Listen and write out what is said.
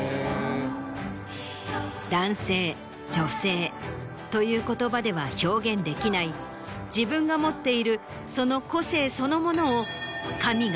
「男性」「女性」という言葉では表現できない自分が持っているその個性そのものを。